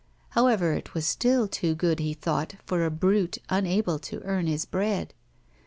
However, it was still too good, he thought, for a brute unable to earn his bread.